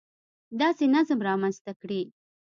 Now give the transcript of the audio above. داسې نظم رامنځته کړي